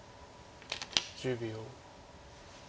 １０秒。